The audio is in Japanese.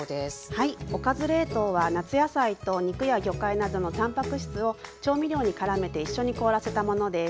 はい「おかず冷凍」は夏野菜と肉や魚介などのたんぱく質を調味料にからめて一緒に凍らせたものです。